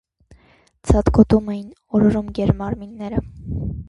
Ցատկոտում էին, օրորում գեր մարմինները: